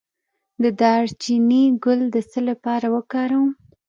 د دارچینی ګل د څه لپاره وکاروم؟